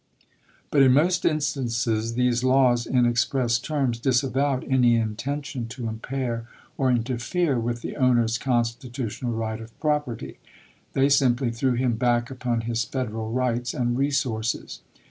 But, in most instances, these laws in express terms disavowed any intention to impair or inter fere with the owner's constitutional right of prop erty ; they simply threw him back upon his Federal rights and resources.